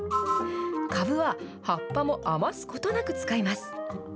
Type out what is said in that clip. かぶは葉っぱも余すことなく使います。